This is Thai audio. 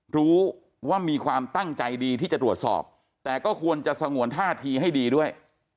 รู้ว่ามีความตั้งใจดีที่จะตรวจสอบแต่ก็ควรจะสงวนท่าทีให้ดีด้วย